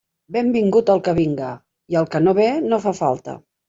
Benvingut el que vinga, i el que no ve no fa falta.